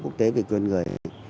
quốc tế về quyền con người